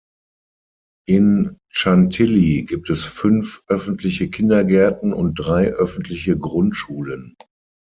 In Chantilly gibt es fünf öffentliche Kindergärten und drei öffentliche Grundschulen.